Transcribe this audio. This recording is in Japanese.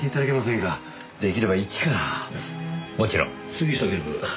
杉下警部。